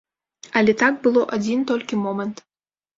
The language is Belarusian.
Але так было адзін толькі момант.